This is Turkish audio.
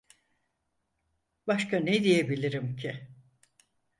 Başka ne diyebilirim ki?